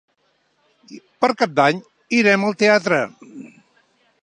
Per Cap d'Any irem al teatre.